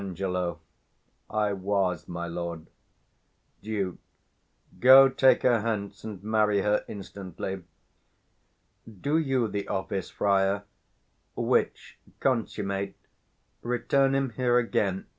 _ I was, my lord. Duke. Go take her hence, and marry her instantly. 375 Do you the office, friar; which consummate, Return him here again.